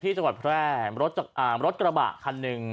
จังหวัดแพร่รถกระบะคันหนึ่ง